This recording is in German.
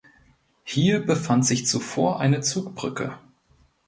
Hier befand sich zuvor eine Zugbrücke.